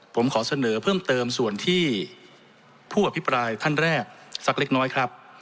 ผมขอเสนอเพิ่มเติมส่วนที่ผู้อภิปรายท่านแรกสักเล็กน้อยครับ